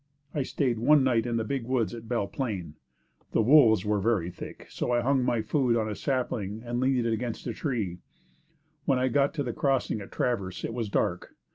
I stayed one night in the big woods at Belle Plaine. The wolves were very thick, "so I hung my food on a sapling and leaned it against a tree. When I got to the crossing at Traverse, it was dark.